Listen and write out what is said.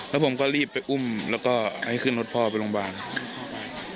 แล้วผมก็รีบไปอุ้มแล้วก็ให้ขึ้นรถพ่อไปโรงพยาบาลครับ